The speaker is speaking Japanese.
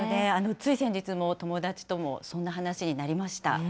つい先日も友達ともそんな話になりました。